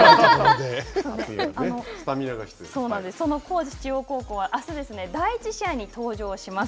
その高知中央高校はあす、第１試合に登場します。